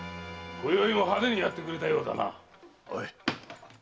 今宵も派手にやってくれたようだな。